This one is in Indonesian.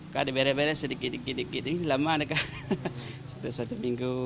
kada bere bere sedikit sedikit ini lama satu satu minggu